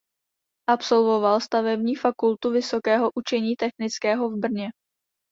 Absolvoval stavební fakultu Vysokého učení technického v Brně.